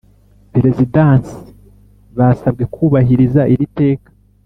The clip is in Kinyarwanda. Perezidansi basabwe kubahiriza iri teka